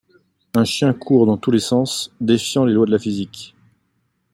Un chien court dans tous les sens, défiant les lois de la physique.